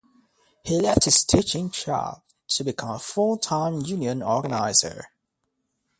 He left his teaching job to become a full-time union organizer.